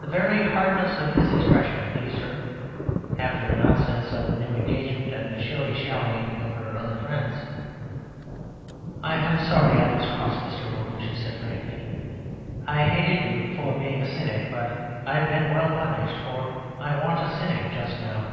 The very hardness of his expression pleased her, after the nonsense of the new engagement and the shilly shallying of her other friends. "I am sorry I was cross, Mr. Moon," she said frankly. "I hated you for being a cynic; but I've been well punished, for I want a cynic just now.